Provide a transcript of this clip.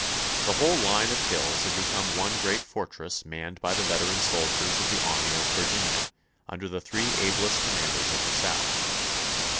The whole line of hills had become one great fortress manned by the veteran soldiers of the Army of Virginia, under the three ablest commanders of the South.